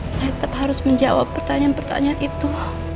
saya tetap harus menjawab pertanyaan pertanyaan itu